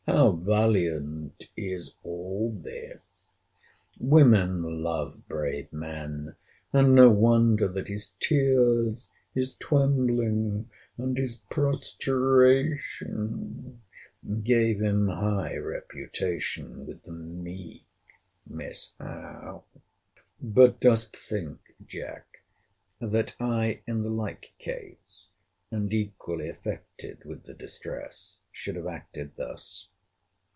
—How valiant is all this!—Women love brave men; and no wonder that his tears, his trembling, and his prostration, gave him high reputation with the meek Miss Howe. But dost think, Jack, that I in the like case (and equally affected with the distress) should have acted thus?